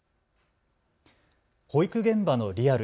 保育現場のリアル。